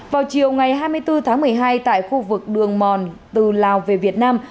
vào chiều ngày hai mươi bốn tháng một mươi hai tại khu vực đường mòn từ lào về việt nam